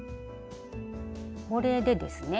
これでですね